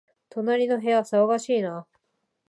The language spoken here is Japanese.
隣の部屋、騒がしいな